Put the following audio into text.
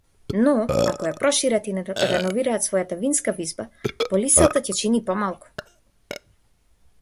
Но ако ја прошират и реновираат својата винска визба, полисата ќе чини помалку.